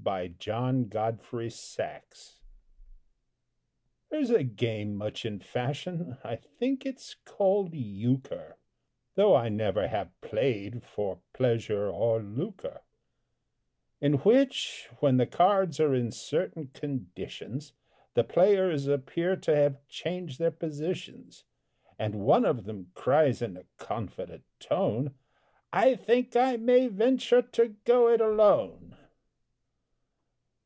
_ There's a game much in fashion I think it's called Euchre (Though I never have played for pleasure or lucre), In which, when the cards are in certain conditions, The players appear to have changed their positions, And one of them cries in a confident tone, "I think I may venture to 'go it alone!'"